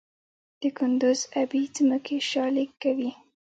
د کندز ابي ځمکې شالې کوي؟